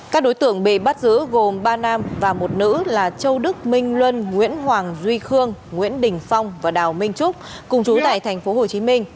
các đối tượng bị bắt giữ gồm ba nam và một nữ là châu đức minh luân nguyễn hoàng duy khương nguyễn đình phong và đào minh trúc cùng chú tại tp hcm